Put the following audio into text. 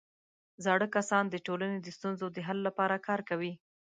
زاړه کسان د ټولنې د ستونزو د حل لپاره کار کوي